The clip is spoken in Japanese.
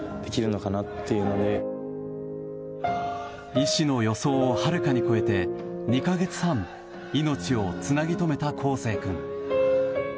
医師の予想をはるかに超えて２か月半、命をつなぎとめた孝成君。